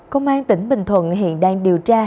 công an tỉnh bình thuận hiện đang điều tra